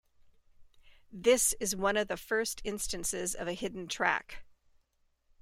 This is one of the first instances of a hidden track.